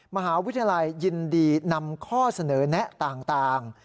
มหาวิทยาลัยยินดีนำข้อเสนอแนะต่าง